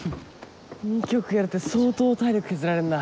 ２曲やるって相当体力削られんな。